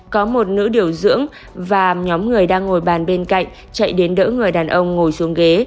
có một nữ điều dưỡng và nhóm người đang ngồi bàn bên cạnh chạy đến đỡ người đàn ông ngồi xuống ghế